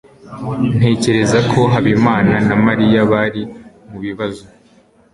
Ntekereza ko Habimana na Mariya bari mubibazo.